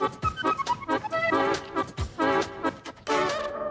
กลับไป